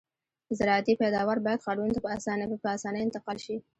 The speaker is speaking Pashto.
زراعتي پیداوار باید ښارونو ته په اسانۍ انتقال شي